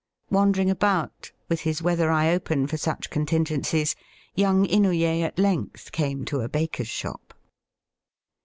Wandering about, with his weather eye open for such contingencies, young Inouye at length came to a baker's 3hop.